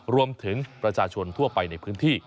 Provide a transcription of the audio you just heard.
รวมถึงประชาชนทั่วไปในพื้นที่